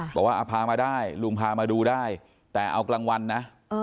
บอกว่าพามาได้ลุงพามาดูได้แต่เอากลางวันนะ